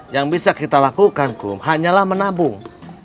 yang bisa kita lakukan kum hanyalah menabung